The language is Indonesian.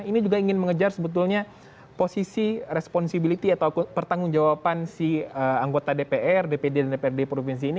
ini juga ingin mengejar sebetulnya posisi responsibility atau pertanggung jawaban si anggota dpr dpd dan dprd provinsi ini